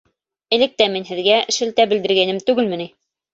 Элек тә мин һеҙгә шелтә белдергәйнем түгелме ни?